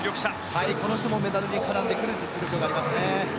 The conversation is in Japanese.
この人もメダルに絡んでくる実力がありますね。